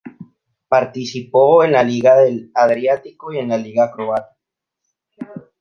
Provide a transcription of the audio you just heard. Participó en la Liga del Adriático y en la Liga croata.